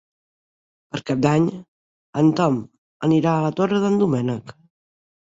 Per Cap d'Any en Tom anirà a la Torre d'en Doménec.